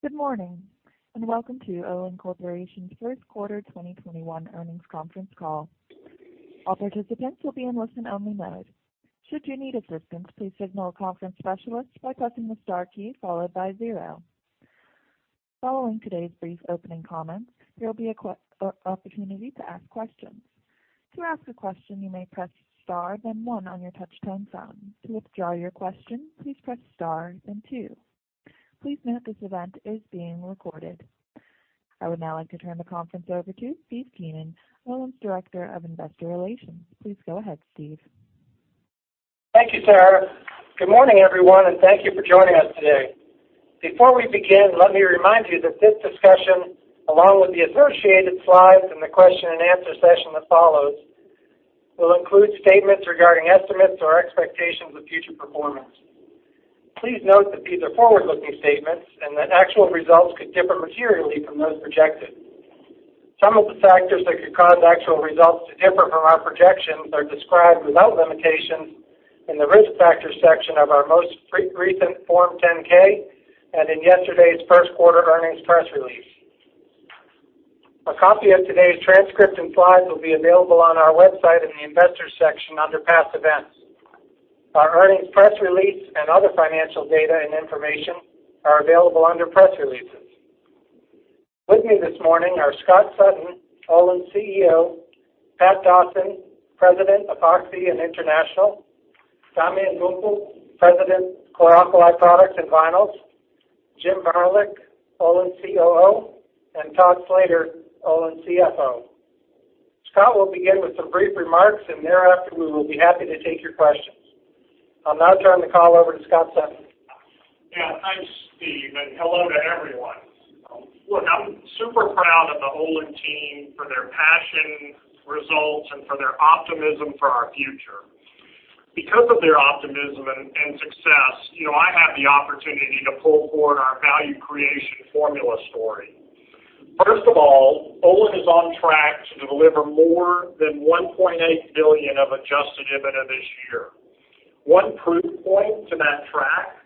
Good morning, Welcome to Olin Corporation's First Quarter 2021 Earnings Conference Call. All participants will be in listen only mode. Should you need assistance, please signal a conference specialist by pressing the star key followed by zero. Following today's brief opening comments, there will be an opportunity to ask questions. To ask a question, you may press star then one on your touch-tone phone. To withdraw your question, please press star then two. Please note this event is being recorded. I would now like to turn the conference over to Steve Keenan, Olin's Director of Investor Relations. Please go ahead, Steve. Thank you, Sarah. Good morning, everyone, and thank you for joining us today. Before we begin, let me remind you that this discussion, along with the associated slides and the question and answer session that follows, will include statements regarding estimates or expectations of future performance. Please note that these are forward-looking statements, and that actual results could differ materially from those projected. Some of the factors that could cause actual results to differ from our projections are described without limitations in the Risk Factors section of our most recent Form 10-K, and in yesterday's first quarter earnings press release. A copy of today's transcript and slides will be available on our website in the Investors section under Past Events. Our earnings press release and other financial data and information are available under Press Releases. With me this morning are Scott Sutton, Olin's CEO, Pat Dawson, President, Epoxy and International, Damian Gumpel, President, Chlor-Alkali Products and Vinyls, Jim Varilek, Olin's COO, and Todd Slater, Olin's CFO. Scott will begin with some brief remarks, and thereafter, we will be happy to take your questions. I'll now turn the call over to Scott Sutton. Yeah. Thanks, Steve. Hello to everyone. Look, I'm super proud of the Olin team for their passion, results, and for their optimism for our future. Because of their optimism and success, I have the opportunity to pull forward our value creation formula story. First of all, Olin is on track to deliver more than $1.8 billion of adjusted EBITDA this year. One proof point to that track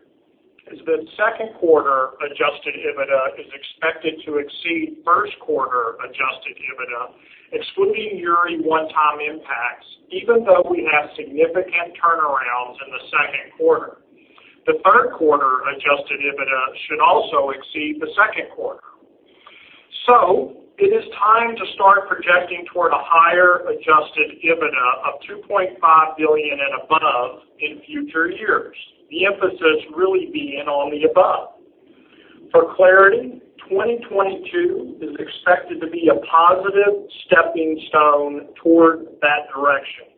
is that second quarter adjusted EBITDA is expected to exceed first quarter adjusted EBITDA, excluding Uri one-time impacts, even though we have significant turnarounds in the second quarter. The third quarter adjusted EBITDA should also exceed the second quarter. It is time to start projecting toward a higher adjusted EBITDA of $2.5 billion and above in future years. The emphasis really being on the above. For clarity, 2022 is expected to be a positive stepping stone toward that direction.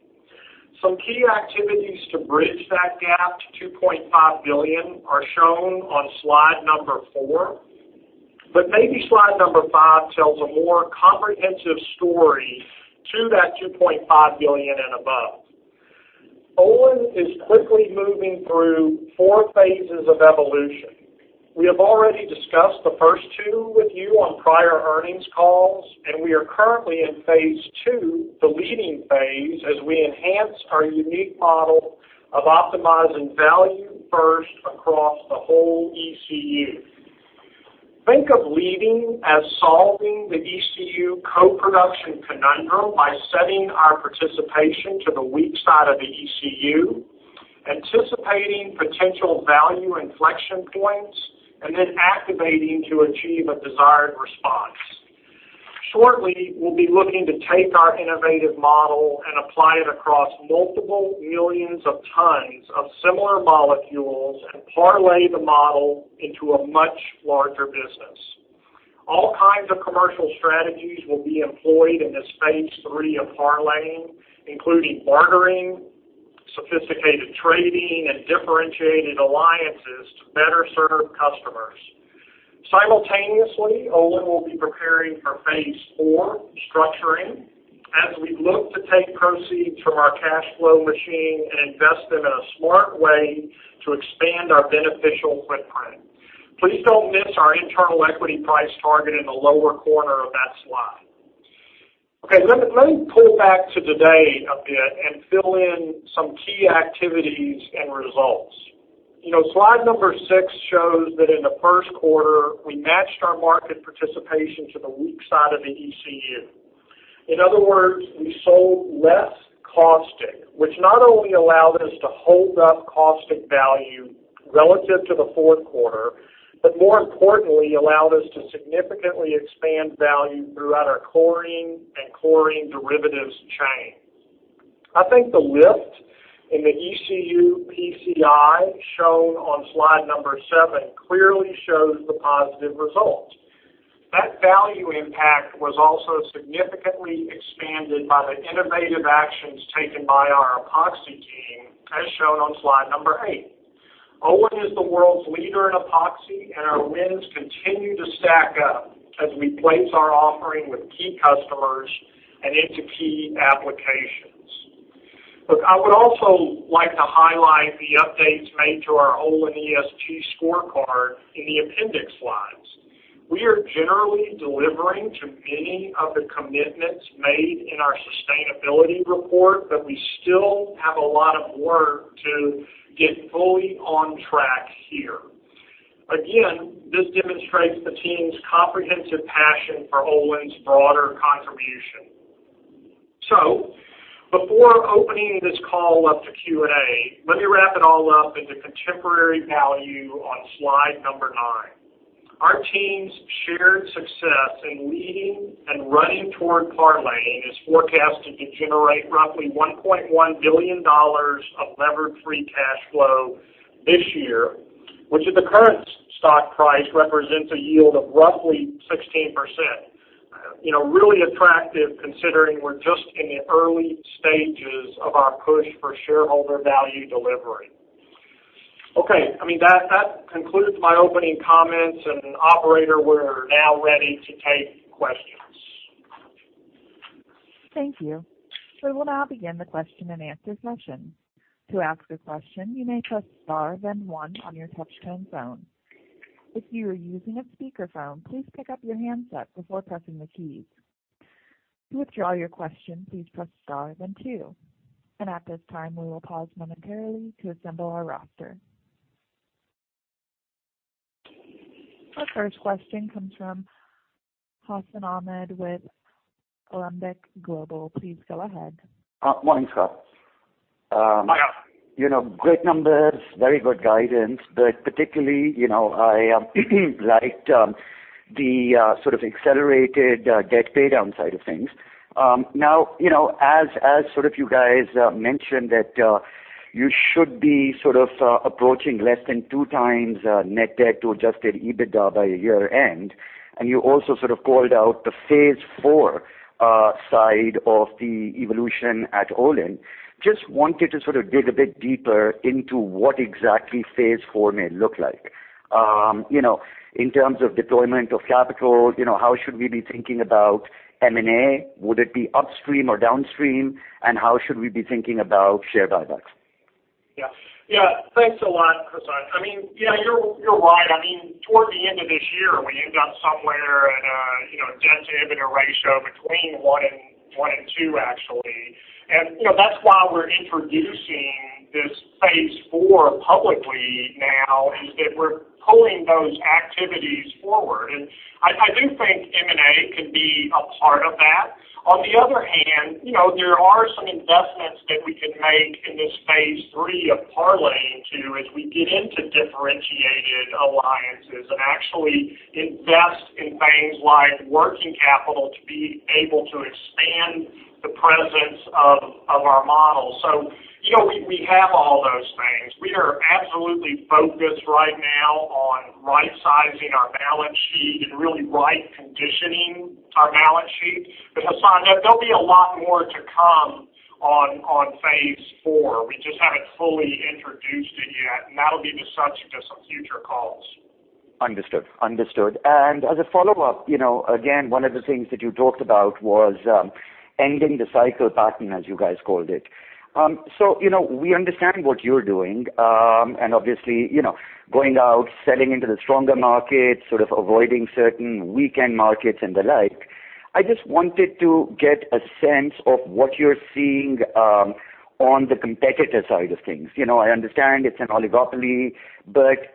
Some key activities to bridge that gap to $2.5 billion are shown on slide number four. Maybe slide number five tells a more comprehensive story to that $2.5 billion and above. Olin is quickly moving through four phases of evolution. We have already discussed the first two with you on prior earnings calls. We are currently in phase two the leading phase, as we enhance our unique model of optimizing value first across the whole ECU. Think of leading as solving the ECU co-production conundrum by setting our participation to the weak side of the ECU, anticipating potential value inflection points, then activating to achieve a desired response. Shortly, we'll be looking to take our innovative model and apply it across multiple millions of tons of similar molecules and parlay the model into a much larger business. All kinds of commercial strategies will be employed in this phase three of Parlaying, including bartering, sophisticated trading, and differentiated alliances to better serve customers. Simultaneously, Olin will be preparing for phase four, structuring, as we look to take proceeds from our cash flow machine and invest them in a smart way to expand our beneficial footprint. Please don't miss our internal equity price target in the lower corner of that slide. Okay. Let me pull back to today a bit and fill in some key activities and results. Slide number six shows that in the first quarter, we matched our market participation to the weak side of the ECU. In other words, we sold less caustic, which not only allowed us to hold up caustic value relative to the fourth quarter, but more importantly, allowed us to significantly expand value throughout our chlorine and chlorine derivatives chain. I think the lift in the ECU PCI shown on slide number seven clearly shows the positive results. That value impact was also significantly expanded by the innovative actions taken by our Epoxy team, as shown on slide number eight. Olin is the world's leader in Epoxy, and our wins continue to stack up as we place our offering with key customers and into key applications. Look, I would also like to highlight the updates made to our Olin ESG scorecard in the appendix slides. We are generally delivering to many of the commitments made in our sustainability report, but we still have a lot of work to get fully on track here. Again, this demonstrates the team's comprehensive passion for Olin's broader contribution. Before opening this call up to Q and A, let me wrap it all up into contemporary value on slide number nine. Our team's shared success in leading and running toward Parlaying is forecasted to generate roughly $1.1 billion of levered free cash flow this year, which at the current stock price represents a yield of roughly 16%. Really attractive considering we're just in the early stages of our push for shareholder value delivery. Okay. That concludes my opening comments. Operator, we're now ready to take questions. Thank you. We will now begin the question and answer session. To ask a question, you may press star then one on your touchtone phone. If you are using a speakerphone, please pick up your handset before pressing the keys. To withdraw your question, please press star then two. At this time, we will pause momentarily to assemble our roster. Our first question comes from Hassan Ahmed with Alembic Global. Please go ahead. Morning, Scott. Yeah. Great numbers. Very good guidance, particularly, I liked the sort of accelerated debt paydown side of things. As you guys mentioned that you should be sort of approaching less than two times net debt to adjusted EBITDA by year-end, and you also sort of called out the phase four side of the evolution at Olin. Just wanted to sort of dig a bit deeper into what exactly phase four may look like. In terms of deployment of capital, how should we be thinking about M&A? Would it be upstream or downstream, and how should we be thinking about share buybacks? Yeah. Thanks a lot, Hassan. You're right. Toward the end of this year, we end up somewhere at a debt-to-EBITDA ratio between one and two, actually. That's why we're introducing this phase four publicly now, is that we're pulling those activities forward. I do think M&A can be a part of that. On the other hand, there are some investments that we can make in this phase three of Parlay to as we get into differentiated alliances and actually invest in things like working capital to be able to expand the presence of our model. We have all those things. We are absolutely focused right now on right-sizing our balance sheet and really right-conditioning our balance sheet. Hassan, there'll be a lot more to come on phase four. We just haven't fully introduced it yet, and that'll be the subject of some future calls. Understood. As a follow-up, again, one of the things that you talked about was ending the cycle pattern as you guys called it. We understand what you're doing, and obviously, going out, selling into the stronger markets, sort of avoiding certain weakened markets and the like. I just wanted to get a sense of what you're seeing on the competitor side of things. I understand it's an oligopoly, but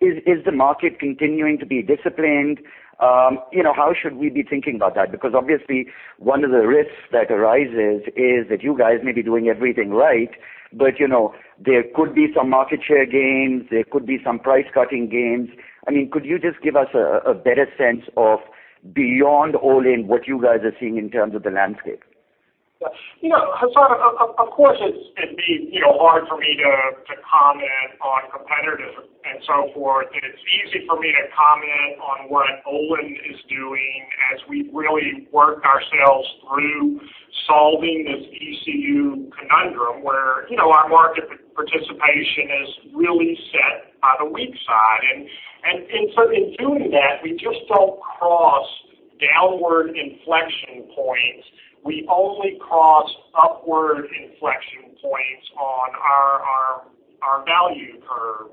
is the market continuing to be disciplined? How should we be thinking about that? Obviously one of the risks that arises is that you guys may be doing everything right, but there could be some market share gains, there could be some price cutting gains. Could you just give us a better sense of beyond Olin, what you guys are seeing in terms of the landscape? Hassan, of course, it'd be hard for me to comment on competitive and so forth, and it's easy for me to comment on what Olin is doing as we really work ourselves through solving this ECU conundrum where our market participation is really set on the weak side. In doing that, we just don't cross downward inflection points. We only cross upward inflection points on our value curve.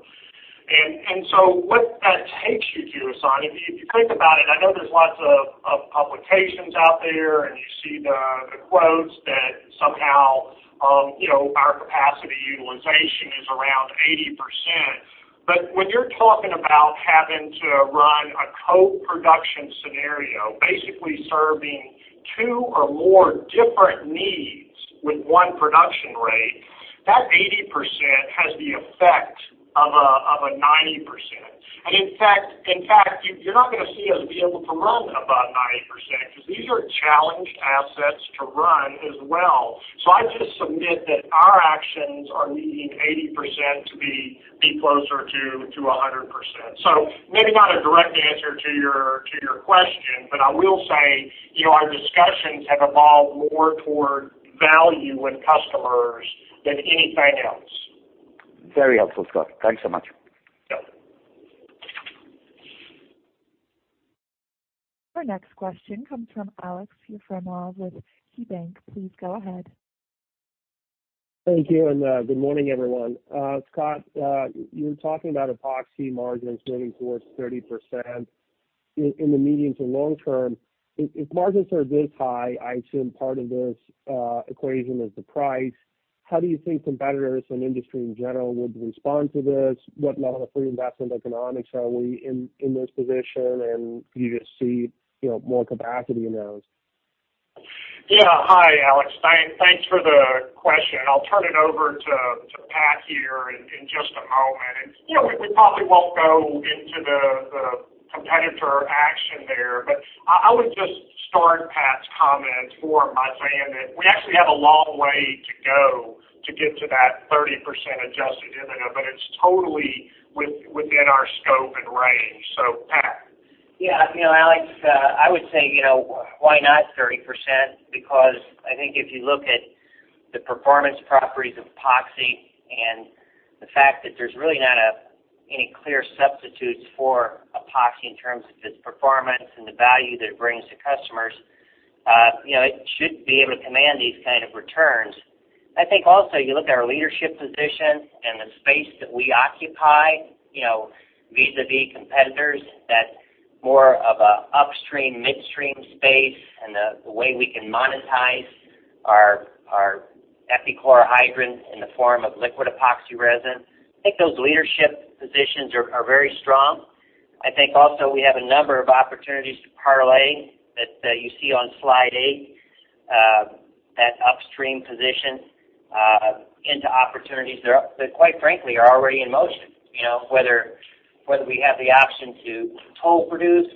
What that takes you to, Hassan, if you think about it, I know there's lots of publications out there, and you see the quotes that somehow our capacity utilization is around 80%. When you're talking about having to run a co-production scenario, basically serving two or more different needs with one production rate, that 80% has the effect of a 90%. In fact, you're not going to see us be able to run above 90% because these are challenged assets to run as well. I just submit that our actions are needing 80% to be closer to 100%. Maybe not a direct answer to your question, but I will say our discussions have evolved more toward value with customers than anything else. Very helpful, Scott. Thanks so much. Our next question comes from Aleksey Yefremov with KeyBanc. Please go ahead. Thank you, and good morning, everyone. Scott, you were talking about epoxy margins moving towards 30% in the medium to long term. If margins are this high, I assume part of this equation is the price. How do you think competitors and the industry in general would respond to this? What level of free investment economics are we in this position? Could you just see more capacity announced? Yeah. Hi, Alek. Thanks for the question. I'll turn it over to Pat here in just a moment. We probably won't go into the competitor action there, but I would just start Pat's comments more by saying that we actually have a long way to go to get to that 30% adjusted EBITDA, but it's totally within our scope and range. Pat. Yeah. Alek, I would say, why not 30%? I think if you look at the performance properties of epoxy and the fact that there's really not any clear substitutes for epoxy in terms of its performance and the value that it brings to customers, it should be able to command these kind of returns. I think also, you look at our leadership position and the space that we occupy, vis-a-vis competitors, that more of a upstream, midstream space, and the way we can monetize our epichlorohydrin in the form of liquid epoxy resin. I think those leadership positions are very strong. I think also we have a number of opportunities to parlay that you see on slide eight, that upstream position into opportunities that, quite frankly, are already in motion. Whether we have the option to toll produce,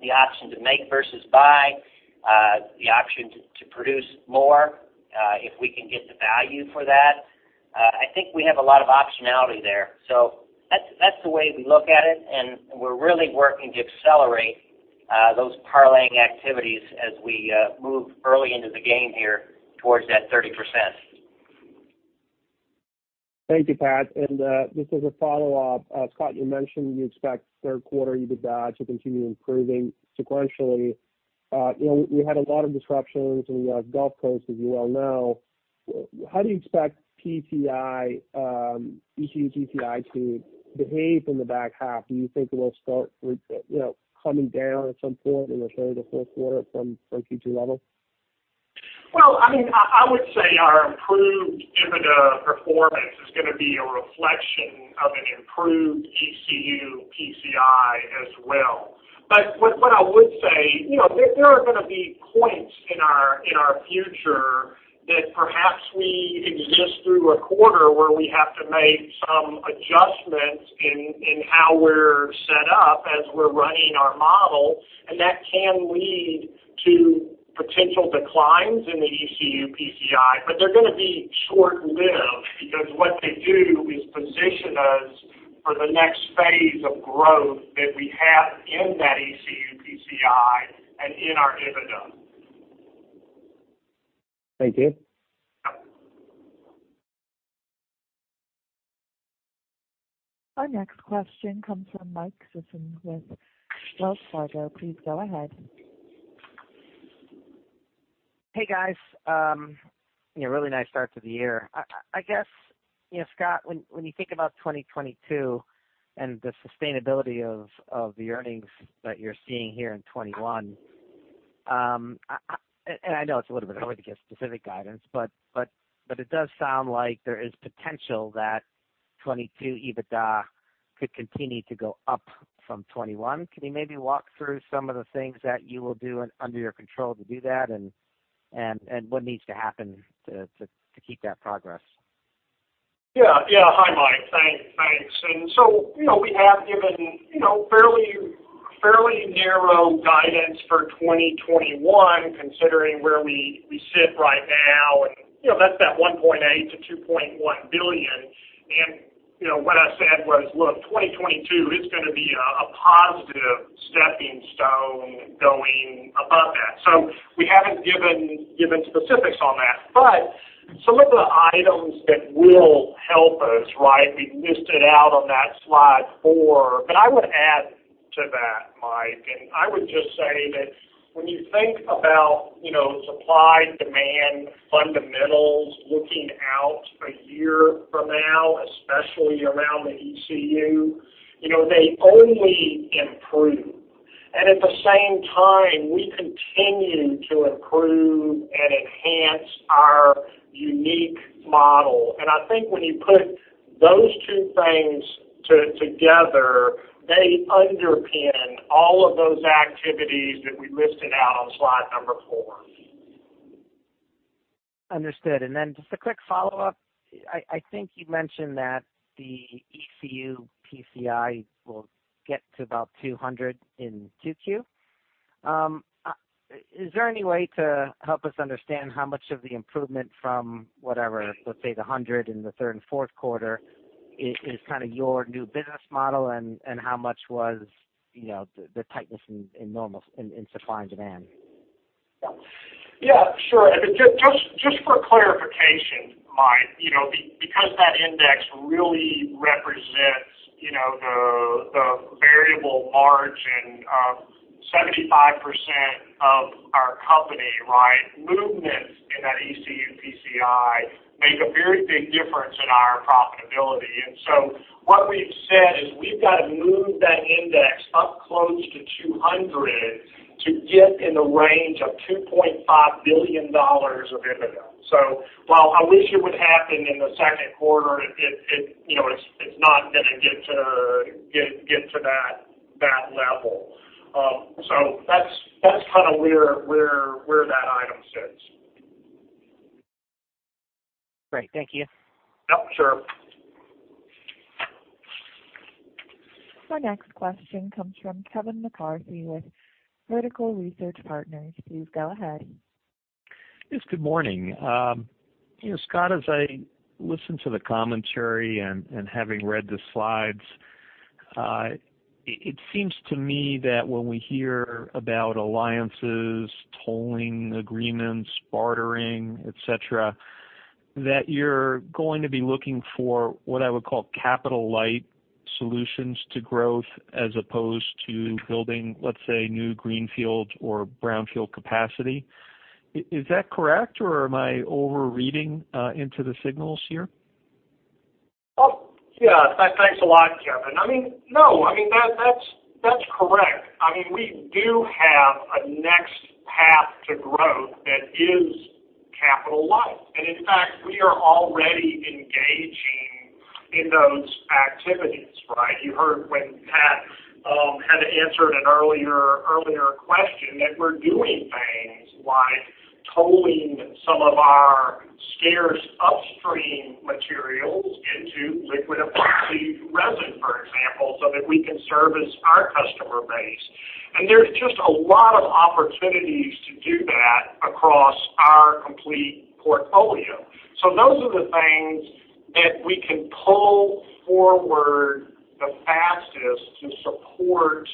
the option to make versus buy, the option to produce more, if we can get the value for that. I think we have a lot of optionality there. That's the way we look at it, and we're really working to accelerate those parlaying activities as we move early into the game here towards that 30%. Thank you, Pat. Just as a follow-up, Scott, you mentioned you expect third quarter EBITDA to continue improving sequentially. You had a lot of disruptions in the Gulf Coast, as you well know. How do you expect ECU PCI to behave in the back half? Do you think it will start coming down at some point in the third or fourth quarter from current Q2 levels? Well, I would say our improved EBITDA performance is going to be a reflection of an improved ECU PCI as well. What I would say, there are going to be points in our future that perhaps we exist through a quarter where we have to make some adjustments in how we're set up as we're running our model. That can lead to potential declines in the ECU PCI, but they're going to be short-lived, because what they do is position us for the next phase of growth that we have in that ECU PCI and in our EBITDA. Thank you. Our next question comes from Mike Sison with Wells Fargo. Please go ahead. Hey, guys. Really nice start to the year. I guess, Scott, when you think about 2022 and the sustainability of the earnings that you're seeing here in 2021, I know it's a little bit early to give specific guidance, but it does sound like there is potential that 2022 EBITDA could continue to go up from 2021. Can you maybe walk through some of the things that you will do under your control to do that, and what needs to happen to keep that progress? Yeah. Hi, Mike. Thanks. We have given fairly narrow guidance for 2021, considering where we sit right now, and that's that $1.8 billion-$2.1 billion. What I said was, look, 2022 is going to be a positive stepping stone going above that. We haven't given specifics on that, but some of the items that will help us, we've listed out on that slide four. I would add to that, Mike, and I would just say that when you think about supply-demand fundamentals looking out a year from now, especially around the ECU, they only improve. At the same time, we continue to improve and enhance our unique model. I think when you put those two things together, they underpin all of those activities that we listed out on slide number four. Understood. Just a quick follow-up. I think you mentioned that the ECU PCI will get to about 200 in 2Q. Is there any way to help us understand how much of the improvement from, whatever, let's say the 100 in the third and fourth quarter is kind of your new business model, and how much was the tightness in supply and demand? Yeah, sure. Just for clarification, Mike, that index really represents the variable margin of 75% of our company. Movements in that ECU PCI make a very big difference in our profitability. What we've said is we've got to move that index up close to 200 to get in the range of $2.5 billion of EBITDA. While I wish it would happen in the second quarter, it's not going to get to that level. That's kind of where that item sits. Great. Thank you. Yep, sure. Our next question comes from Kevin McCarthy with Vertical Research Partners. Please go ahead. Yes, good morning. Scott, as I listen to the commentary and having read the slides, it seems to me that when we hear about alliances, tolling agreements, bartering, et cetera, that you're going to be looking for what I would call capital light solutions to growth as opposed to building, let's say, new greenfield or brownfield capacity. Is that correct, or am I over-reading into the signals here? Yeah. Thanks a lot, Kevin. No, that's correct. We do have a next path to growth that is capital light. In fact, we are already engaging in those activities. You heard when Pat kind of answered an earlier question that we're doing things like tolling some of our scarce upstream materials into liquid epoxy resin, for example, so that we can service our customer base. There's just a lot of opportunities to do that across our complete portfolio. Those are the things that we can pull forward the fastest to support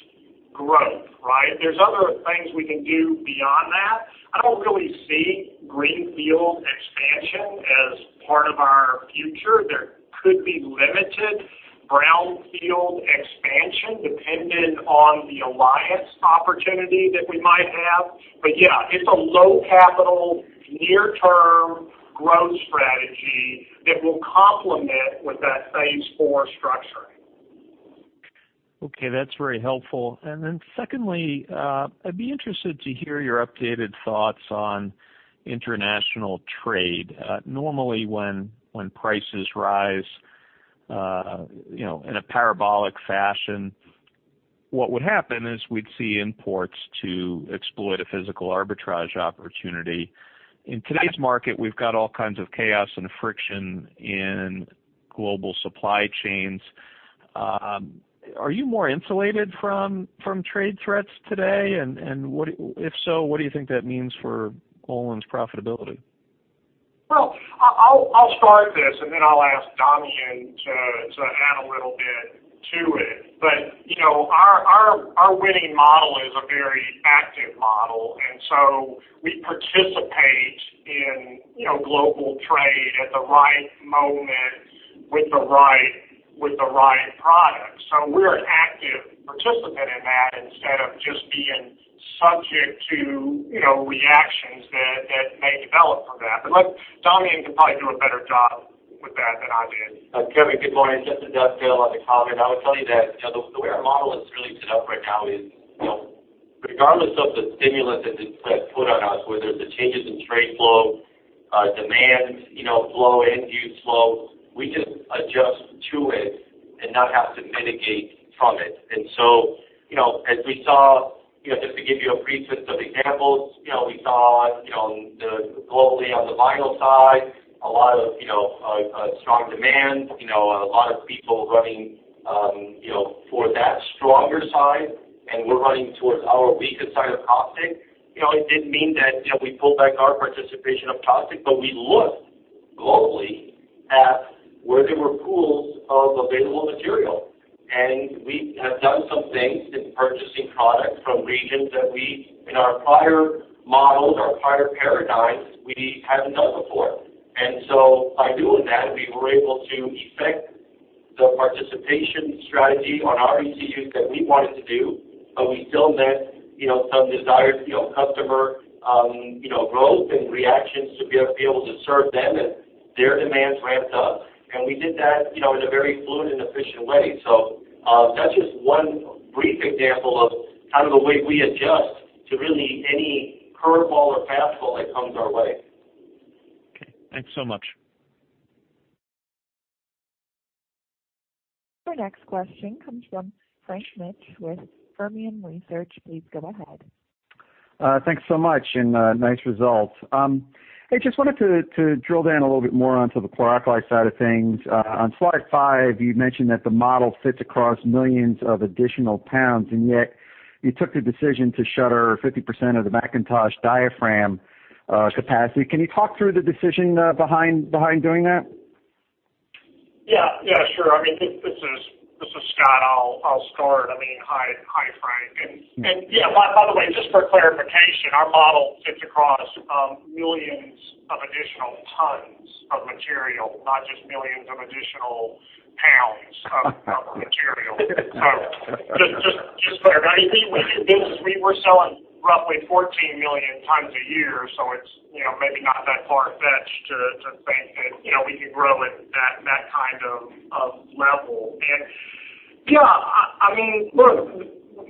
growth. There's other things we can do beyond that. I don't really see greenfield expansion as part of our future. There could be limited brownfield expansion depending on the alliance opportunity that we might have. Yeah, it's a low capital, near term growth strategy that will complement with that phase four structuring. Okay, that's very helpful. Secondly, I'd be interested to hear your updated thoughts on international trade. Normally when prices rise in a parabolic fashion, what would happen is we'd see imports to exploit a physical arbitrage opportunity. In today's market, we've got all kinds of chaos and friction in global supply chains. Are you more insulated from trade threats today? If so, what do you think that means for Olin's profitability? Well, I'll start this, and then I'll ask Damian to add a little bit to it. Our winning model is a very active model, we participate in global trade at the right moment with the right products. We're an active participant in that instead of just being subject to reactions that may develop from that. Damian can probably do a better job with that than I did. Kevin, good morning. Just to dovetail on the comment, I would tell you that the way our model is really set up right now is regardless of the stimulus that's put on us, whether it's the changes in trade flow, demand flow, end use flow, we just adjust to it and not have to mitigate from it. As we saw, just to give you a brief list of examples, we saw globally on the vinyl side, a lot of strong demand, a lot of people running for that stronger side, and we're running towards our weakest side of caustic. It didn't mean that we pulled back our participation of caustic, but we looked globally at where there were pools of available material. We have done some things in purchasing products from regions that we, in our prior models, our prior paradigms, we hadn't done before. By doing that, we were able to effect the participation strategy on our ECUs that we wanted to do, but we still met some desired customer growth and reactions to be able to serve them as their demands ramped up. We did that in a very fluid and efficient way. That's just one brief example of kind of the way we adjust to really any curveball or fastball that comes our way. Okay. Thanks so much. Our next question comes from Frank Mitsch with Fermium Research. Please go ahead. Thanks so much, and nice results. Hey, just wanted to drill down a little bit more onto the chlor alkali side of things. On slide five, you mentioned that the model fits across millions of additional pounds, and yet you took the decision to shutter 50% of the McIntosh diaphragm capacity. Can you talk through the decision behind doing that? Yeah, sure. This is Scott. I'll start. Hi, Frank. Yeah, by the way, just for clarification, our model fits across millions of additional tons of material, not just millions of additional pounds of material. Just for clarity, we were selling roughly 14 million tons a year, so it's maybe not that far-fetched to think that we can grow at that kind of level. Yeah, look,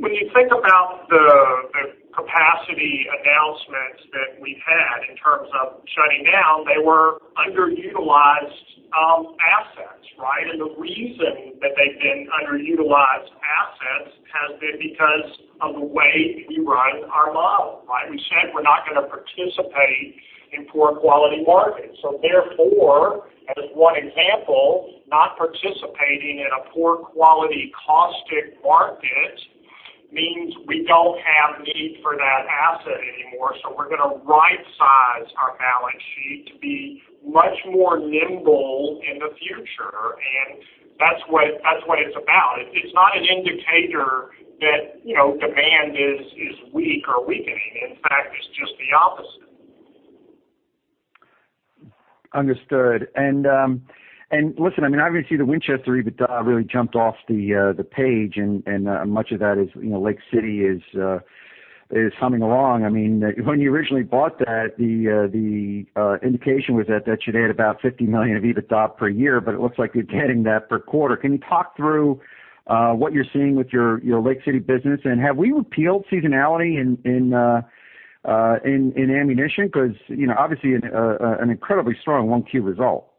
when you think about the capacity announcements that we've had in terms of shutting down, they were underutilized assets. The reason that they've been underutilized assets has been because of the way we run our model. We said we're not going to participate in poor quality markets. Therefore, as one example, not participating in a poor quality caustic market means we don't have need for that asset anymore. We're going to right-size our balance sheet to be much more nimble in the future, and that's what it's about. It's not an indicator that demand is weak or weakening. In fact, it's just the opposite. Understood. Listen, obviously, the Winchester EBITDA really jumped off the page, and much of that is Lake City is humming along. When you originally bought that, the indication was that that should add about $50 million of EBITDA per year, but it looks like you're getting that per quarter. Can you talk through what you're seeing with your Lake City business? Have we repealed seasonality in ammunition? Obviously, an incredibly strong 1Q result.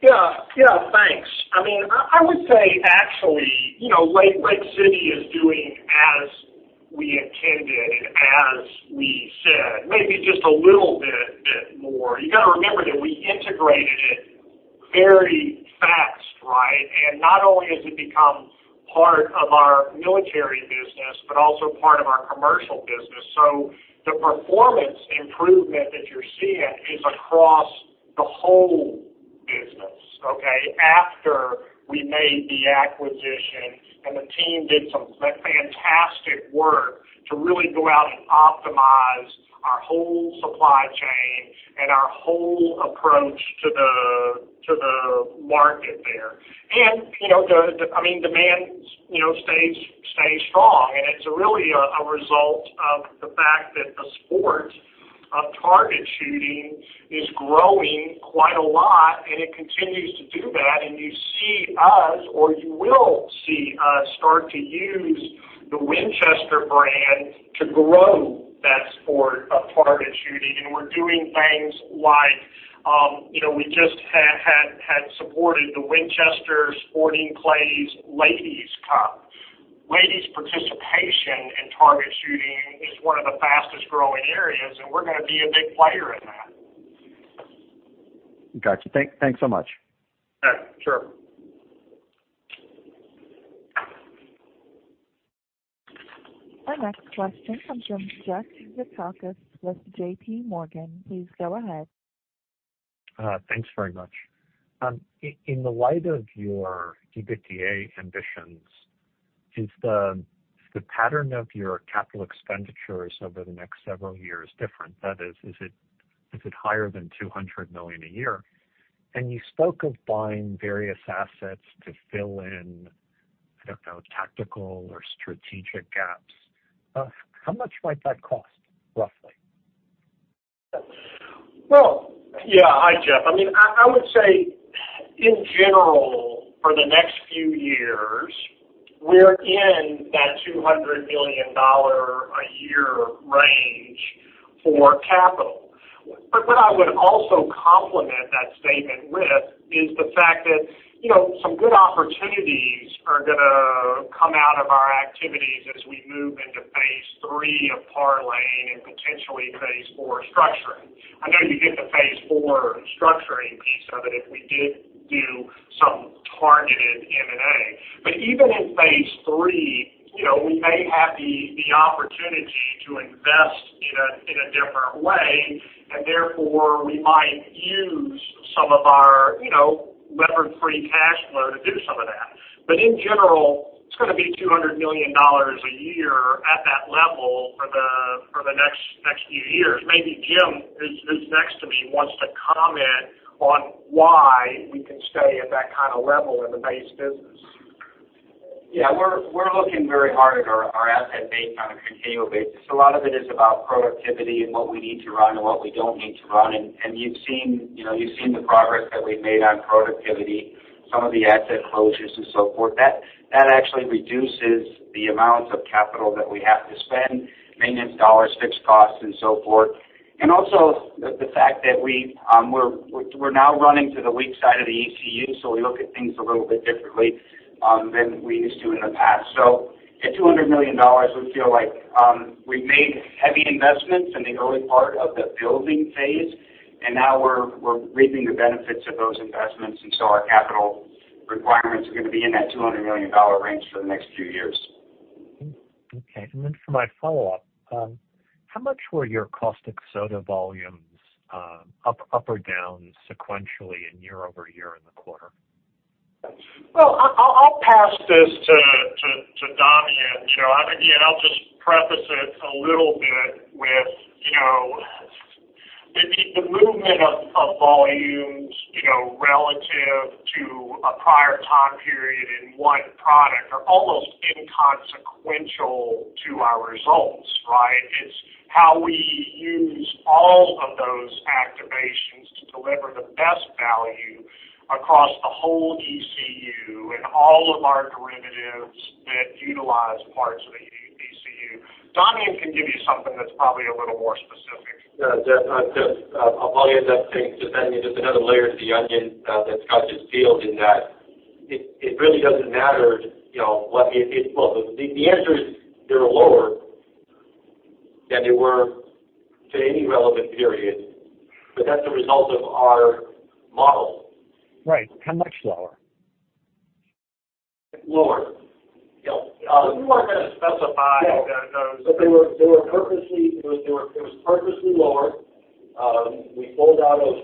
Yeah. Thanks. I would say, actually, Lake City is doing as we intended and as we said. Maybe just a little bit more. You got to remember that we integrated it very fast. Not only has it become part of our military business, but also part of our commercial business. The performance improvement that you're seeing is across the whole business after we made the acquisition, and the team did some fantastic work to really go out and optimize our whole supply chain and our whole approach to the market there. Demand stays strong, and it's really a result of the fact that the sport of target shooting is growing quite a lot, and it continues to do that. You see us, or you will see us start to use the Winchester brand to grow that sport of target shooting. We're doing things like, we just had supported the Winchester Sporting Clays Ladies Cup. Ladies participation in target shooting is one of the fastest growing areas, and we're going to be a big player in that. Got you. Thanks so much. Yeah, sure. Our next question comes from Jeff Zekauskas with JPMorgan. Please go ahead. Thanks very much. In the light of your EBITDA ambitions, is the pattern of your capital expenditures over the next several years different? That is it higher than $200 million a year? You spoke of buying various assets to fill in, I don't know, tactical or strategic gaps. How much might that cost, roughly? Well, yeah. Hi, Jeff. I would say in general, for the next few years, we're in that $200 million a year range for capital. What I would also complement that statement with is the fact that some good opportunities are going to come out of our activities as we move into phase three of Parlaying and potentially phase four structuring. I know you get the phase four structuring piece of it if we did do some targeted M&A. Even in phase three, we may have the opportunity to invest in a different way, and therefore, we might use some of our levered free cash flow to do some of that. In general, it's going to be $200 million a year at that level for the next few years. Maybe Jim, who's next to me, wants to comment on why we can stay at that kind of level in the base business. Yeah, we're looking very hard at our asset base on a continual basis. A lot of it is about productivity and what we need to run and what we don't need to run. You've seen the progress that we've made on productivity, some of the asset closures and so forth. That actually reduces the amount of capital that we have to spend, maintenance dollars, fixed costs, and so forth. The fact that we're now running to the weak side of the ECU, we look at things a little bit differently than we used to in the past. At $200 million, we feel like we've made heavy investments in the early part of the building phase, now we're reaping the benefits of those investments. Our capital requirements are going to be in that $200 million range for the next few years. Okay. For my follow-up, how much were your caustic soda volumes up or down sequentially and year-over-year in the quarter? Well, I'll pass this to Damian here, Jeff. Again, I'll just preface it a little bit with the movement of volumes relative to a prior time period in one product are almost inconsequential to our results, right? It's how we use all of those activations to deliver the best value across the whole ECU and all of our derivatives that utilize parts of the ECU. Damian can give you something that's probably a little more specific. Yeah. Jeff, I'll probably end up saying, just adding another layer to the onion that Scott just peeled, in that it really doesn't matter. Well, the answer is they're lower than they were to any relevant period, but that's a result of our model. Right. How much lower? Lower. Yeah. Yeah. It was purposely lower. We pulled out of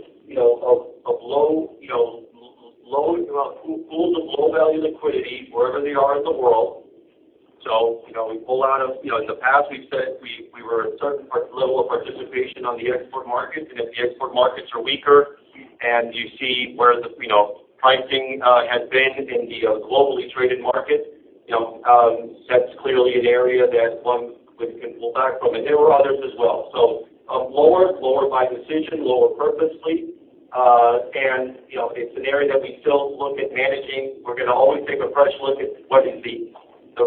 low pools of low-value liquidity, wherever they are in the world. So we pulled out of, in the past, we've said we were a certain level of participation on the export market, and if the export markets are weaker, and you see where the pricing has been in the globally traded market, that's clearly an area that one can pull back from. There are others as well. Lower, lower by decision, lower purposely. It's an area that we still look at managing. We're going to always take a fresh look at what is the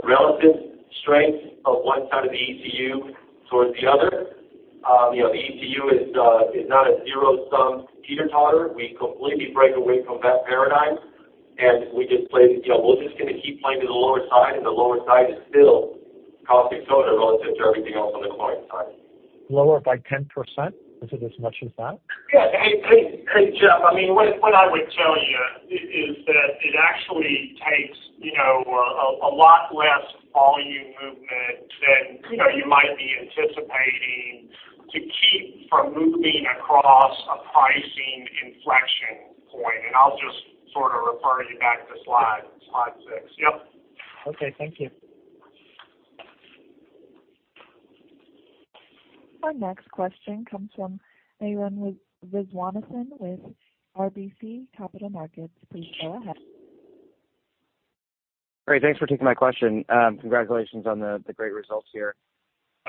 relative strength of one side of the ECU towards the other. The ECU is not a zero-sum teeter-totter. We completely break away from that paradigm, and we'll just going to keep playing to the lower side, and the lower side is still caustic soda relative to everything else on the chlorine side. Lower by 10%? Is it as much as that? Yeah. Hey, Jeff, what I would tell you is that it actually takes a lot less volume movement than you might be anticipating to keep from moving across a pricing inflection point. I'll just refer you back to slide six. Yep. Okay. Thank you. Our next question comes from Arun Viswanathan with RBC Capital Markets. Please go ahead. Great. Thanks for taking my question. Congratulations on the great results here.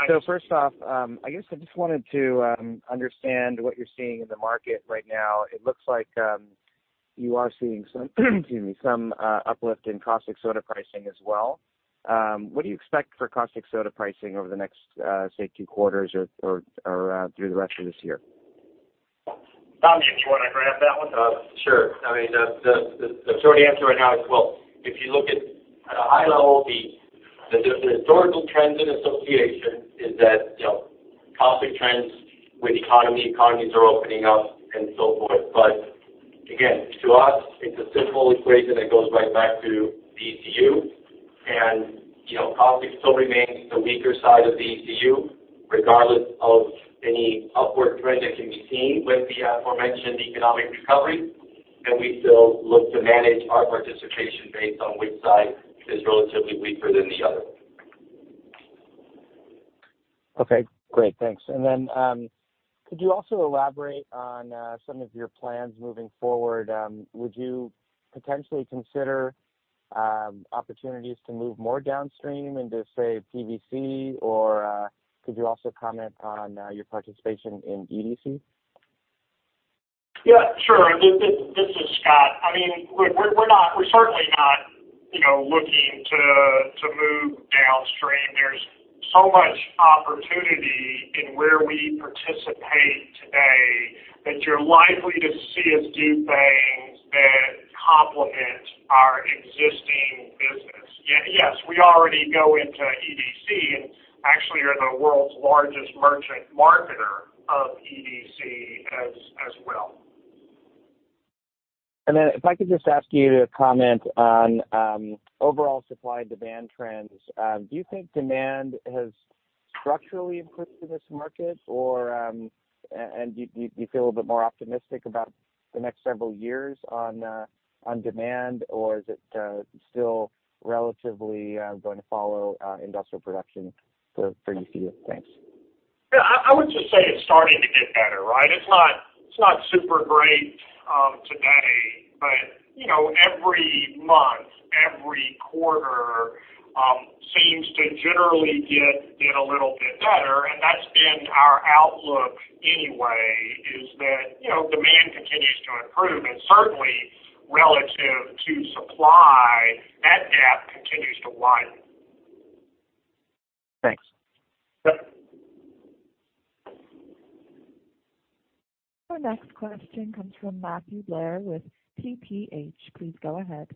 Thanks. First off, I guess I just wanted to understand what you're seeing in the market right now. It looks like you are seeing some uplift in caustic soda pricing as well. What do you expect for caustic soda pricing over the next, say, two quarters or through the rest of this year? Damian, do you want to grab that one? Sure. The short answer right now is, well, if you look at a high level, the historical trends and association is that caustic trends with economy, economies are opening up, and so forth. Again, to us, it's a simple equation that goes right back to the ECU. Caustic still remains the weaker side of the ECU, regardless of any upward trend that can be seen with the aforementioned economic recovery. We still look to manage our participation based on which side is relatively weaker than the other. Okay, great. Thanks. Could you also elaborate on some of your plans moving forward? Would you potentially consider opportunities to move more downstream into, say, PVC? Could you also comment on your participation in EDC? Yeah, sure. This is Scott. We're certainly not looking to move downstream. There's so much opportunity in where we participate today that you're likely to see us do things that complement our existing business. Yes, we already go into EDC, and actually are the world's largest merchant marketer of EDC as well. If I could just ask you to comment on overall supply and demand trends. Do you think demand has structurally improved in this market? Do you feel a bit more optimistic about the next several years on demand, or is it still relatively going to follow industrial production for ECU? Thanks. Yeah. I would just say it's starting to get better, right? It's not super great today, but every month, every quarter seems to generally get a little bit better. That's been our outlook anyway, is that demand continues to improve. Certainly, relative to supply, that gap continues to widen. Thanks. Yep. Our next question comes from Matthew Blair with TPH. Please go ahead.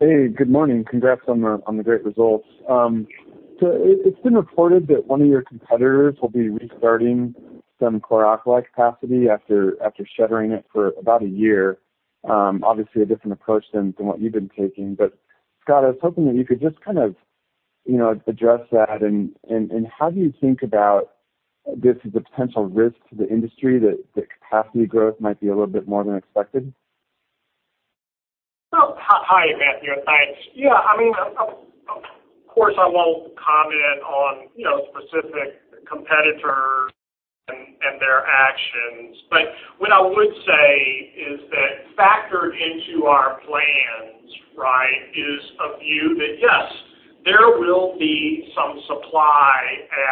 Hey. Good morning. Congrats on the great results. It's been reported that one of your competitors will be restarting some chlor alkali capacity after shuttering it for about a year. Obviously, a different approach than what you've been taking. Scott, I was hoping that you could just address that. How do you think about this as a potential risk to the industry, that capacity growth might be a little bit more than expected? Hi, Matthew. Thanks. Of course, I won't comment on specific competitor and their actions. What I would say is that factored into our plans is a view that, yes, there will be some supply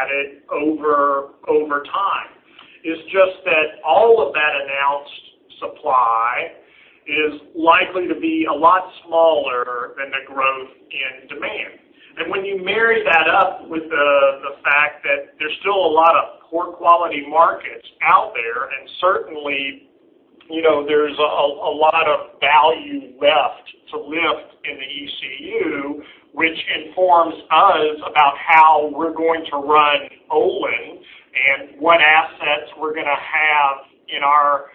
added over time. It's just that all of that announced supply is likely to be a lot smaller than the growth in demand. When you marry that up with the fact that there's still a lot of poor quality markets out there, and certainly, there's a lot of value left to lift in the ECU, which informs us about how we're going to run Olin and what assets we're going to have in our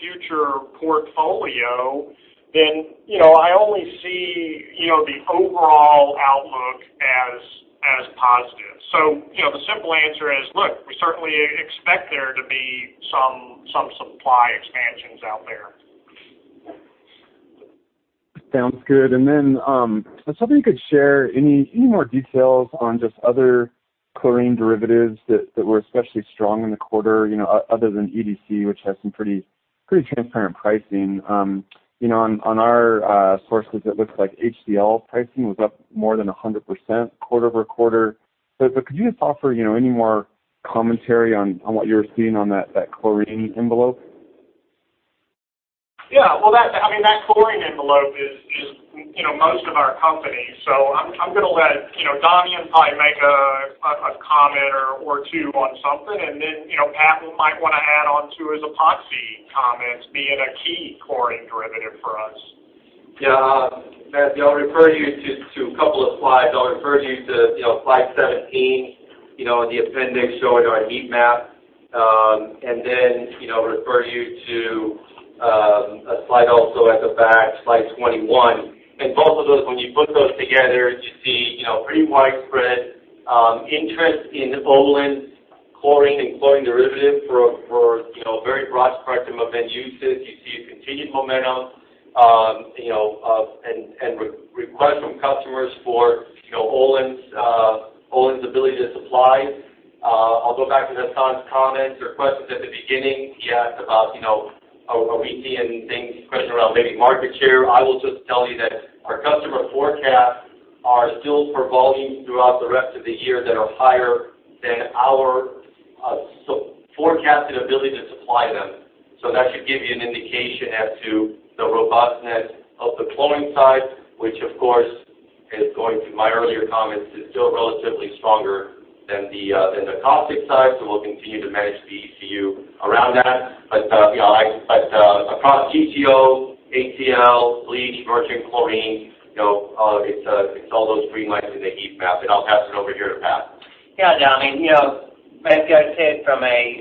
future portfolio, then I only see the overall outlook as positive. The simple answer is, look, we certainly expect there to be some supply expansions out there. Sounds good. I was hoping you could share any more details on just other chlorine derivatives that were especially strong in the quarter, other than EDC, which has some pretty transparent pricing. On our sources, it looks like HCL pricing was up more than 100% quarter-over-quarter. Could you just offer any more commentary on what you're seeing on that chlorine envelope? Yeah. Well, that chlorine envelope is most of our company. I'm going to let Damian probably make a comment or two on something. Pat might want to add on to his epoxy comments, being a key chlorine derivative for us. Yeah. Matthew, I'll refer you to a couple of slides. I'll refer you to slide 17 in the appendix showing our heat map. Then, refer you to a slide also at the back, slide 21. Both of those, when you put those together, you see pretty widespread interest in Olin's chlorine and chlorine derivatives for a very broad spectrum of end uses. You see a continued momentum, and request from customers for Olin's ability to supply. I'll go back to Hassan's comments or questions at the beginning. He asked about, are we seeing things, question around maybe market share. I will just tell you that our customer forecasts are still for volumes throughout the rest of the year that are higher than our forecasted ability to supply them. That should give you an indication as to the robustness of the chlorine side, which of course, going through my earlier comments, is still relatively stronger than the caustic side. We'll continue to manage the ECU around that. Across GTO, HCL, bleach, virgin chlorine, it's all those green lights in the heat map. I'll pass it over here to Pat. Yeah, Damian. As Scott said, from a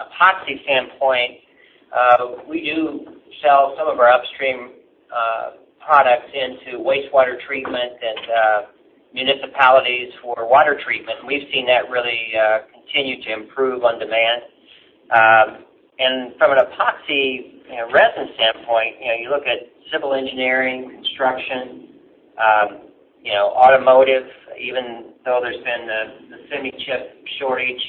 epoxy standpoint, we do sell some of our upstream products into wastewater treatment and municipalities for water treatment, we've seen that really continue to improve on demand. From an epoxy resin standpoint, you look at civil engineering, construction, automotive, even though there's been the semi chip shortage,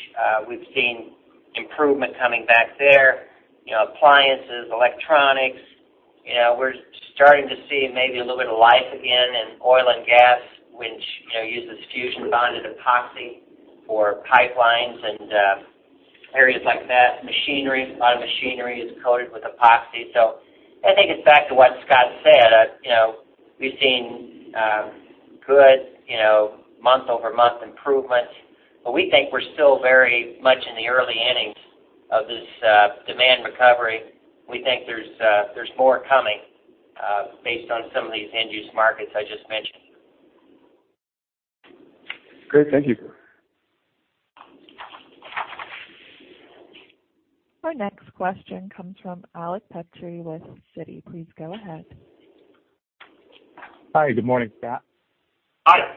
we've seen improvement coming back there. Appliances, electronics. We're starting to see maybe a little bit of life again in oil and gas, which uses fusion bonded epoxy for pipelines and areas like that. Machinery, a lot of machinery is coated with epoxy. I think it's back to what Scott said. We've seen good month-over-month improvement, we think we're still very much in the early innings of this demand recovery. We think there's more coming based on some of these end-use markets I just mentioned. Great. Thank you. Our next question comes from Eric Petrie with Citi. Please go ahead. Hi. Good morning, Scott. Hi.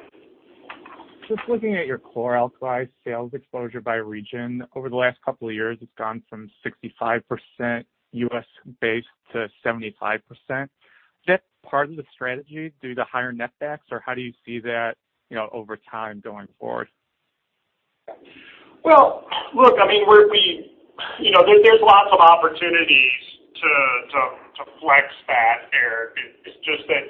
Just looking at your chlor alkali sales exposure by region. Over the last couple of years, it's gone from 65% U.S. based to 75%. Is that part of the strategy due to higher net backs, or how do you see that over time going forward? Well, look, there's lots of opportunities to flex that, Eric. It's just that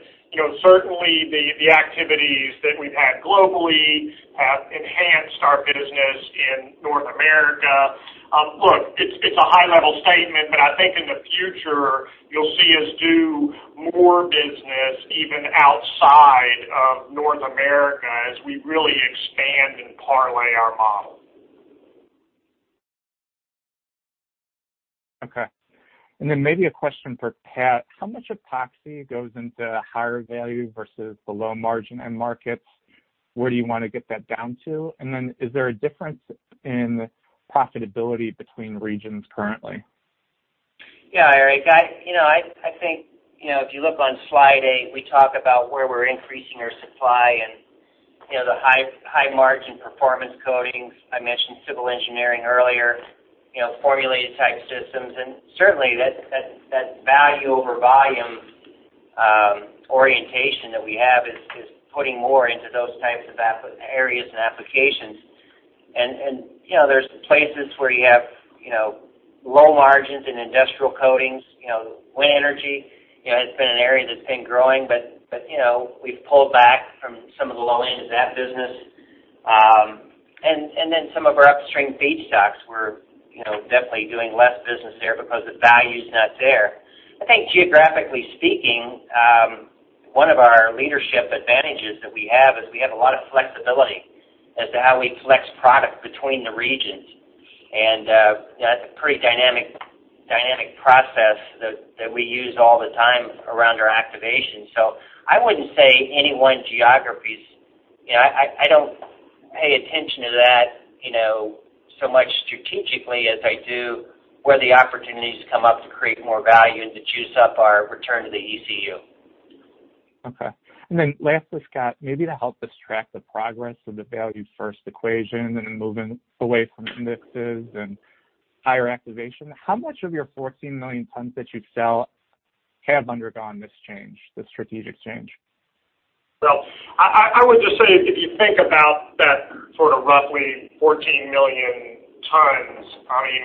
certainly the activities that we've had globally have enhanced our business in North America. Look, it's a high-level statement, but I think in the future, you'll see us do more business even outside of North America as we really expand and parlay our model. Okay. Maybe a question for Pat. How much epoxy goes into higher value versus the low margin end markets? Where do you want to get that down to? Is there a difference in profitability between regions currently? Yeah, Eric. I think, if you look on slide eight, we talk about where we're increasing our supply and the high margin performance coatings. I mentioned civil engineering earlier, formulated type systems. Certainly, that value over volume orientation that we have is putting more into those types of areas and applications. There's places where you have low margins in industrial coatings. Wind energy has been an area that's been growing, but we've pulled back from some of the low end of that business. Then some of our upstream feedstocks, we're definitely doing less business there because the value's not there. I think geographically speaking, one of our leadership advantages that we have is we have a lot of flexibility as to how we flex product between the regions. That's a pretty dynamic process that we use all the time around our activation. I don't pay attention to that so much strategically as I do where the opportunities come up to create more value and to juice up our return to the ECU. Okay. Lastly, Scott, maybe to help us track the progress of the Value First Equation and moving away from mixes and higher activation, how much of your 14 million tons that you sell have undergone this change, this strategic change? Well, I would just say, if you think about that sort of roughly 14 million tons,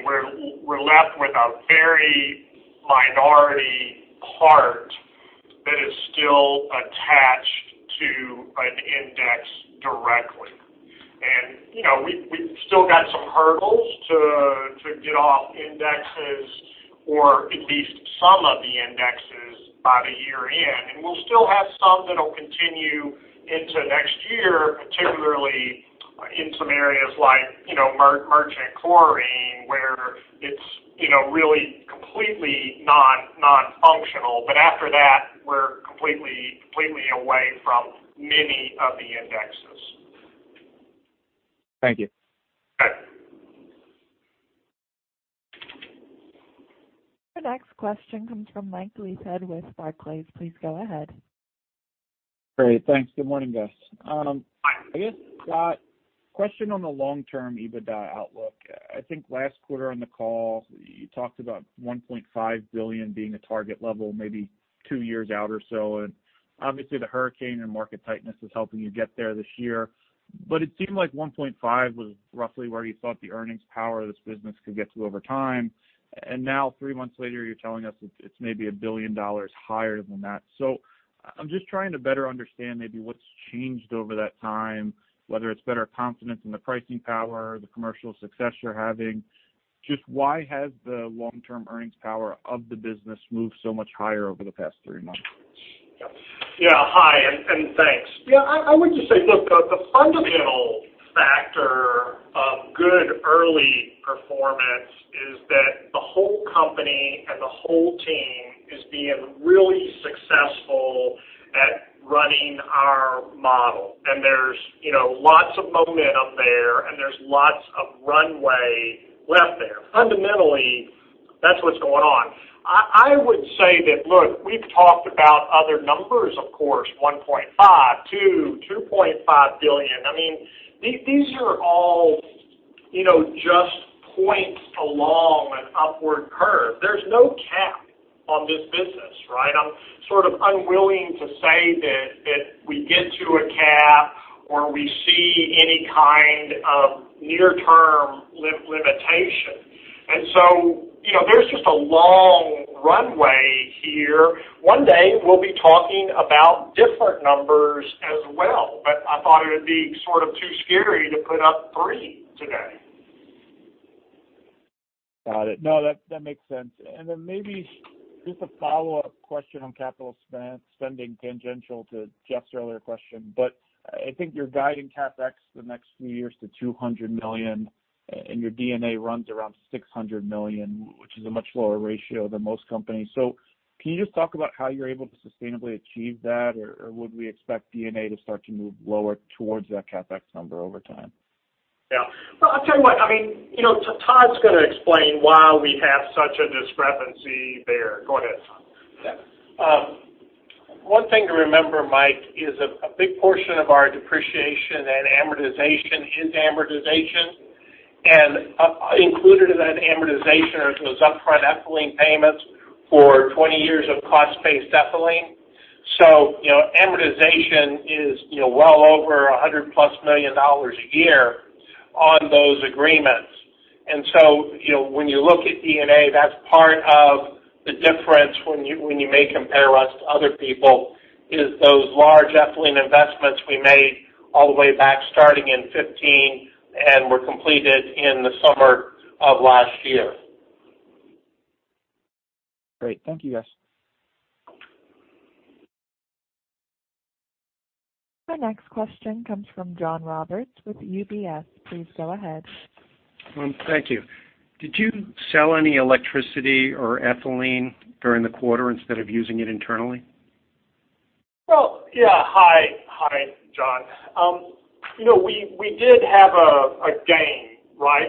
we're left with a very minority part that is still attached to an index directly. We've still got some hurdles to get off indexes or at least some of the indexes by the year end. We'll still have some that'll continue into next year, particularly in some areas like merchant chlorine, where it's really completely non-functional. After that, we're completely away from many of the indexes. Thank you. Okay. Our next question comes from Mike Leithead with Barclays. Please go ahead. Great. Thanks. Good morning, guys. Hi. I guess, Scott, question on the long term EBITDA outlook. I think last quarter on the call, you talked about $1.5 billion being a target level maybe two years out or so. Obviously the hurricane and market tightness is helping you get there this year. It seemed like $1.5 billion was roughly where you thought the earnings power of this business could get to over time. Now three months later, you're telling us it's maybe a billion dollars higher than that. I'm just trying to better understand maybe what's changed over that time, whether it's better confidence in the pricing power, the commercial success you're having. Just why has the long term earnings power of the business moved so much higher over the past three months? Hi, thanks. I would just say, look, the fundamental factor of good early performance is that the whole company and the whole team is being really successful at running our model. There's lots of momentum there, and there's lots of runway left there. Fundamentally, that's what's going on. I would say that, look, we've talked about other numbers, of course, $1.5 billion, $2 billion, $2.5 billion. These are all just points along an upward curve. There's no cap on this business, right? I'm sort of unwilling to say that we get to a cap or we see any kind of near term limitation. There's just a long runway here. One day we'll be talking about different numbers as well, but I thought it would be sort of too scary to put up three today. Got it. No, that makes sense. Maybe just a follow up question on capital spending, tangential to Jeff's earlier question. I think you're guiding CapEx the next few years to $200 million, and your D&A runs around $600 million, which is a much lower ratio than most companies. Can you just talk about how you're able to sustainably achieve that? Or would we expect D&A to start to move lower towards that CapEx number over time? Yeah. Well, I'll tell you what, Todd's going to explain why we have such a discrepancy there. Go ahead, Todd. One thing to remember, Mike, is a big portion of our depreciation and amortization is amortization. Included in that amortization are those upfront ethylene payments for 20 years of cost-based ethylene. Amortization is well over $100 plus million a year on those agreements. When you look at D&A, that's part of the difference when you may compare us to other people, is those large ethylene investments we made all the way back starting in 2015 and were completed in the summer of last year. Great. Thank you, guys. Our next question comes from John Roberts with UBS. Please go ahead. Thank you. Did you sell any electricity or ethylene during the quarter instead of using it internally? Well, yeah. Hi, John. We did have a gain.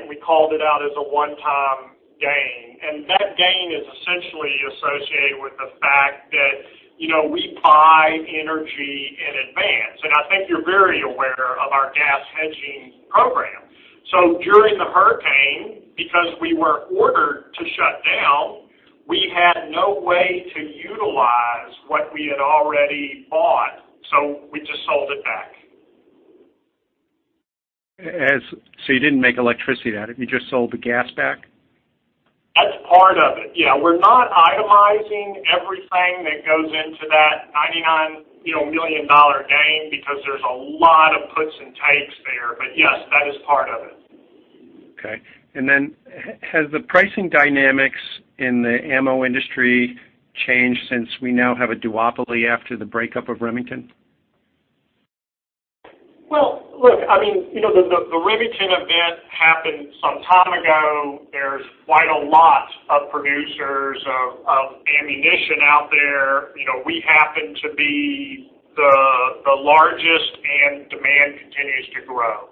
We called it out as a one-time gain. That gain is essentially associated with the fact that we buy energy in advance. I think you're very aware of our gas hedging program. During the hurricane, because we were ordered to shut down, we had no way to utilize what we had already bought, so we just sold it back. You didn't make electricity then. You just sold the gas back? That's part of it. Yeah. We're not itemizing everything that goes into that $99 million gain because there's a lot of puts and takes there. Yes, that is part of it. Okay. Has the pricing dynamics in the ammo industry changed since we now have a duopoly after the breakup of Remington? Well, look, the Remington event happened some time ago. There's quite a lot of producers of ammunition out there. We happen to be the largest, and demand continues to grow.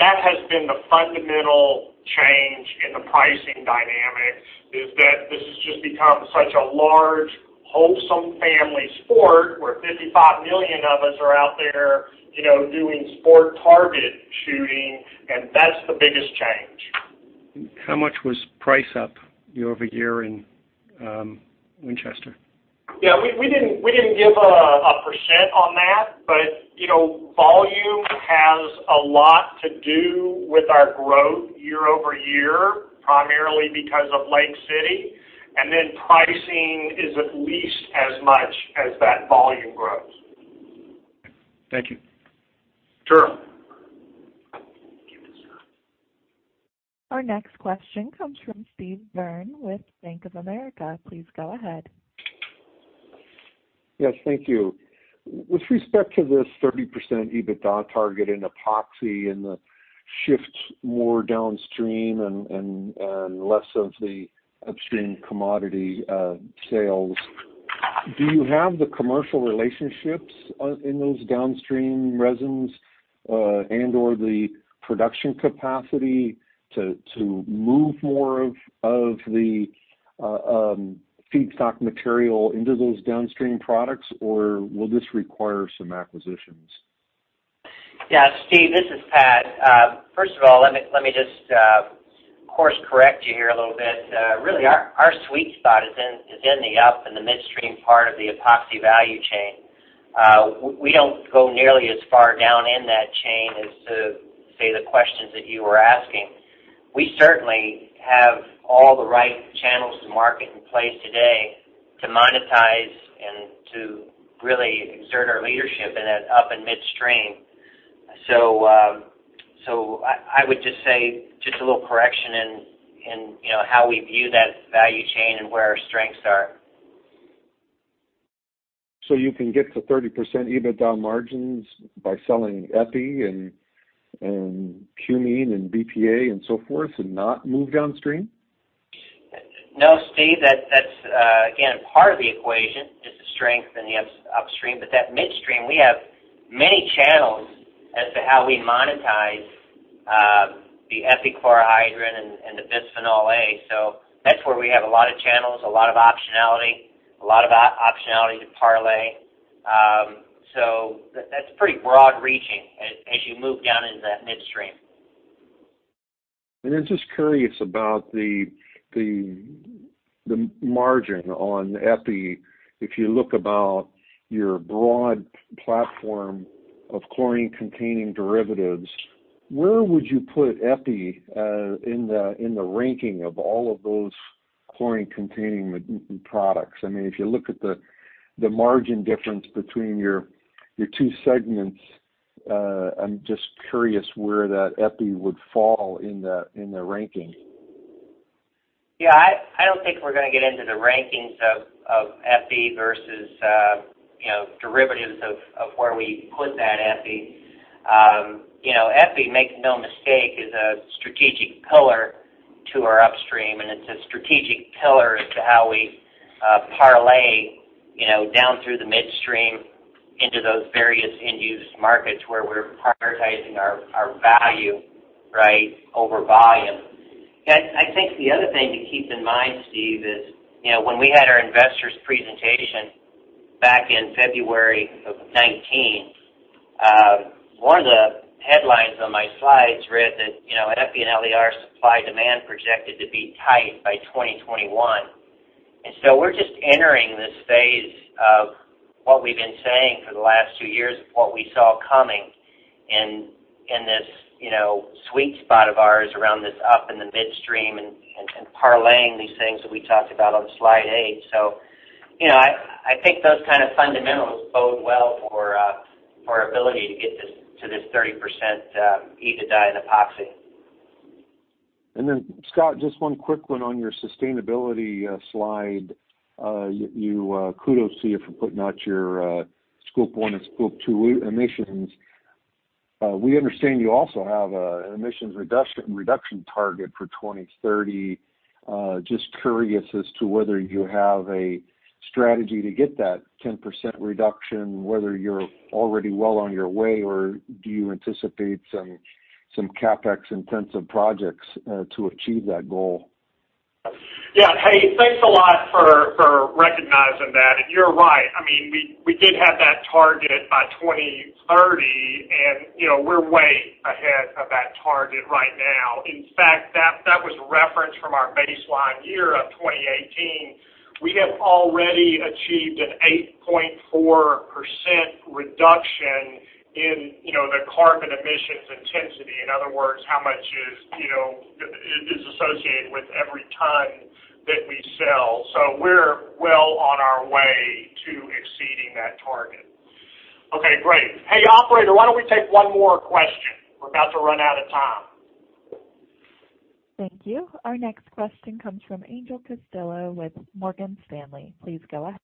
That has been the fundamental change in the pricing dynamic, is that this has just become such a large, wholesome family sport where 55 million of us are out there doing sport target shooting, and that's the biggest change. How much was price up year-over-year in Winchester? Yeah, we didn't give a percent on that. Volume has a lot to do with our growth year-over-year, primarily because of Lake City, and then pricing is at least as much as that volume growth. Thank you. Sure. Our next question comes from Steve Byrne with Bank of America. Please go ahead. Yes, thank you. With respect to this 30% EBITDA target in Epoxy and the shift more downstream and less of the upstream commodity sales, do you have the commercial relationships in those downstream resins, and/or the production capacity to move more of the feedstock material into those downstream products? Or will this require some acquisitions? Steve, this is Pat. First of all, let me just course correct you here a little bit. Really, our sweet spot is in the up and the midstream part of the Epoxy value chain. We don't go nearly as far down in that chain as to, say, the questions that you were asking. We certainly have all the right channels to market in place today to monetize and to really exert our leadership in that up and midstream. I would just say, just a little correction in how we view that value chain and where our strengths are. You can get to 30% EBITDA margins by selling EPI and cumene and BPA and so forth, and not move downstream? No, Steve, that's, again, part of the equation is the strength in the upstream. That midstream, we have many channels as to how we monetize the epichlorohydrin and the Bisphenol A. That's where we have a lot of channels, a lot of optionality, a lot of optionality to parlay. That's pretty broad reaching as you move down into that midstream. I'm just curious about the margin on EPI. If you look about your broad platform of chlorine-containing derivatives, where would you put EPI in the ranking of all of those chlorine-containing products? If you look at the margin difference between your two segments, I'm just curious where that EPI would fall in the ranking. Yeah, I don't think we're going to get into the rankings of EPI versus derivatives of where we put that EPI. EPI, make no mistake, is a strategic pillar to our upstream, and it's a strategic pillar as to how we parlay down through the midstream into those various end-use markets where we're prioritizing our value over volume. I think the other thing to keep in mind, Steve, is when we had our investors presentation back in February of 2019, one of the headlines on my slides read that at EPI and LER, supply demand projected to be tight by 2021. We're just entering this phase of what we've been saying for the last two years of what we saw coming in this sweet spot of ours around this up in the midstream and parlaying these things that we talked about on slide eight. I think those kind of fundamentals bode well for our ability to get to this 30% EBITDA in Epoxy. Scott, just one quick one on your sustainability slide. Kudos to you for putting out your Scope one and Scope two emissions. We understand you also have an emissions reduction target for 2030. Just curious as to whether you have a strategy to get that 10% reduction, whether you're already well on your way, or do you anticipate some CapEx intensive projects to achieve that goal? Yeah. Hey, thanks a lot for recognizing that. You're right. We did have that target by 2030, and we're way ahead of that target right now. In fact, that was referenced from our baseline year of 2018. We have already achieved an 8.4% reduction in the carbon emissions intensity. In other words, how much is associated with every ton that we sell. We're well on our way to exceeding that target. Okay, great. Hey, operator, why don't we take one more question? We're about to run out of time. Thank you. Our next question comes from Angel Castillo with Morgan Stanley. Please go ahead.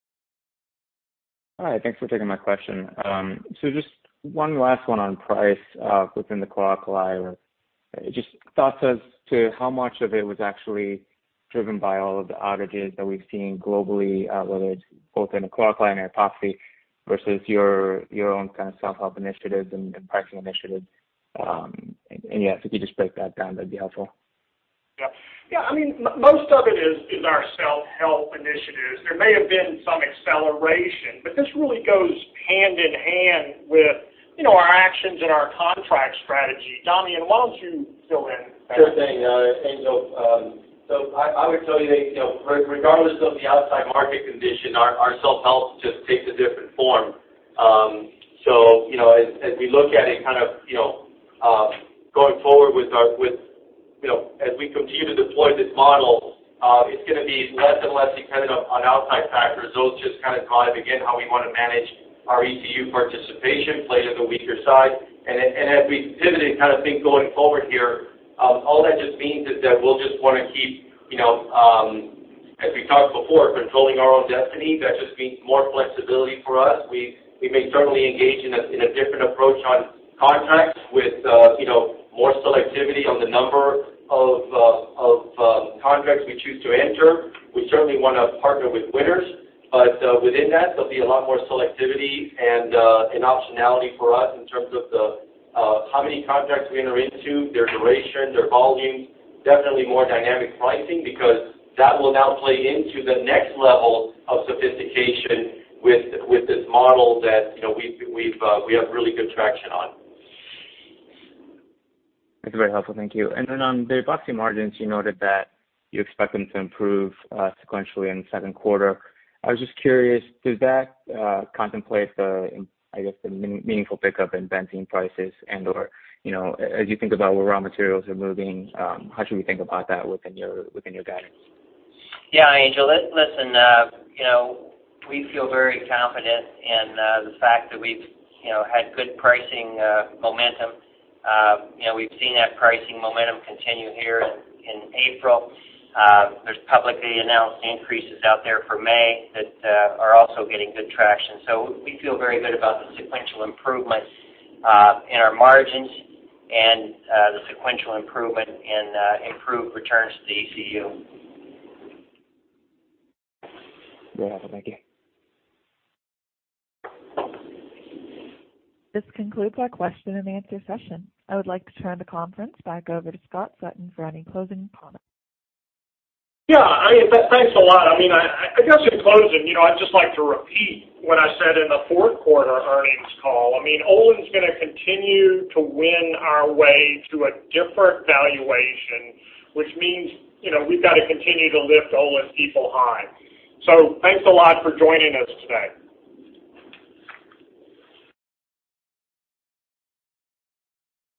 Hi. Thanks for taking my question. Just one last one on price within the chlor-alkali. Just thoughts as to how much of it was actually driven by all of the outages that we've seen globally, whether it's both in the chlor alkali and epoxy versus your own kind of self-help initiatives and pricing initiatives. Yeah, if you could just break that down, that'd be helpful. Yeah. Most of it is our self-help initiatives. This really goes hand-in-hand with our actions and our contract strategy. Damian, why don't you fill in? Sure thing, Angel. I would tell you that regardless of the outside market condition, our self-help just takes a different form. As we look at it kind of going forward as we continue to deploy this model, it's going to be less and less dependent on outside factors. Those just kind of drive, again, how we want to manage our ECU participation play to the weaker side. As we pivot and kind of think going forward here, all that just means is that we'll just want to keep, as we talked before, controlling our own destiny. That just means more flexibility for us. We may certainly engage in a different approach on contracts with more selectivity on the number of contracts we choose to enter. We certainly want to partner with winners. Within that, there'll be a lot more selectivity and an optionality for us in terms of the how many contracts we enter into, their duration, their volumes. Definitely more dynamic pricing, because that will now play into the next level of sophistication with this model that we have really good traction on. That's very helpful. Thank you. Then on the epoxy margins, you noted that you expect them to improve sequentially in the second quarter. I was just curious, does that contemplate the, I guess, the meaningful pickup in benzene prices and/or as you think about where raw materials are moving, how should we think about that within your guidance? Yeah. Angel, listen, we feel very confident in the fact that we've had good pricing momentum. We've seen that pricing momentum continue here in April. There's publicly announced increases out there for May that are also getting good traction. We feel very good about the sequential improvement in our margins and the sequential improvement in improved returns to the ECU. Very helpful. Thank you. This concludes our question and answer session. I would like to turn the conference back over to Scott Sutton for any closing comments. Yeah. Thanks a lot. I guess in closing, I'd just like to repeat what I said in the fourth quarter earnings call. Olin's going to continue to win our way to a different valuation, which means we've got to continue to lift Olin's people high. Thanks a lot for joining us today.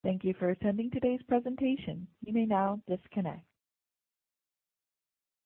Thank you for attending today's presentation. You may now disconnect.